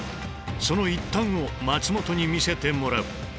その一端を松本に見せてもらう。